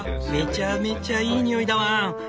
めちゃめちゃいい匂いだワン！